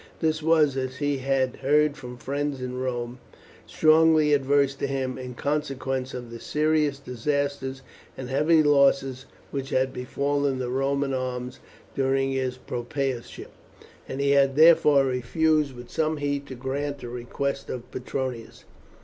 This was, as he had heard from friends in Rome, strongly adverse to him, in consequence of the serious disasters and heavy losses which had befallen the Roman arms during his propraetorship, and he had therefore refused with some heat to grant the request of Petronius.